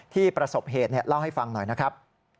ประสบเหตุเล่าให้ฟังหน่อยนะครับ